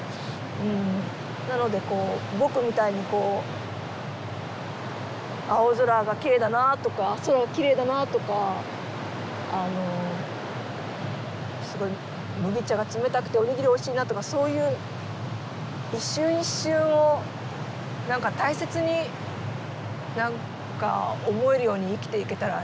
うんなのでこう「ぼく」みたいにこう青空がきれいだなとか空がきれいだなとかあのすごい麦茶が冷たくておにぎりおいしいなとかそういう一瞬一瞬を何か大切に何か思えるように生きていけたらいいですよね。